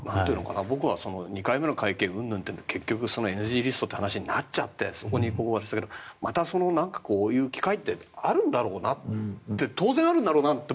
僕は２回目の会見云々というので結局、ＮＧリストって話になっちゃったけどまたこういう機会ってあるんだろうなって当然あるんだろうなって